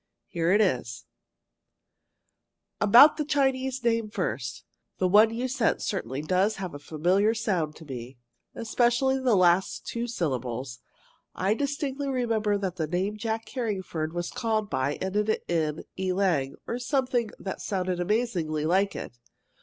Here it is: "About the Chinese name first. The one you sent does certainly have a familiar sound to me, especially the last two syllables. I distinctly remember that the name Jack Carringford was called by ended in e lang, or something that sounded amazingly like it.